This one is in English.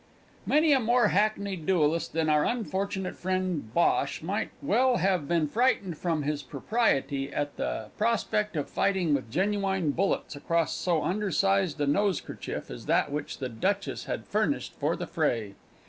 _ Many a more hackneyed duellist than our unfortunate friend Bhosh might well have been frightened from his propriety at the prospect of fighting with genuine bullets across so undersized a nosekerchief as that which the Duchess had furnished for the fray.